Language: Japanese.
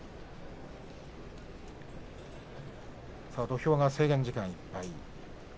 土俵が制限時間いっぱいです。